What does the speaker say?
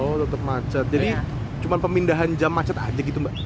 oh tetap macet jadi cuma pemindahan jam macet aja gitu mbak